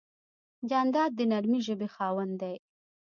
جانداد د نرمې ژبې خاوند دی.